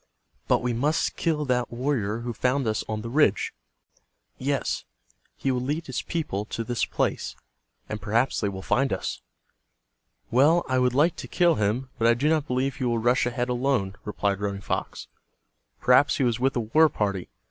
But we must kill that warrior who found us on the ridge. Yes, he will lead his people to this place, and perhaps they will find us." "Well, I would like to kill him, but I do not believe he will rush ahead alone," replied Running Fox. "Perhaps he was with a war party.